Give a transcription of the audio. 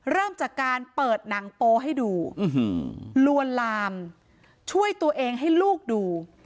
เริ่มจากการเปิดหนังโป๊ให้ดูลวนลามช่วยตัวเองให้ลูกดู